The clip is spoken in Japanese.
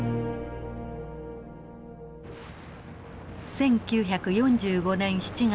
１９４５年７月。